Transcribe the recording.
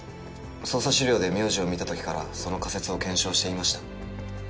捜査資料で名字を見たときからその仮説を検証していました。